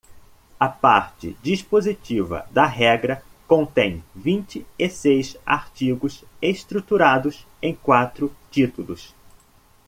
A parte dispositiva da regra contém vinte e seis artigos estruturados em quatro títulos.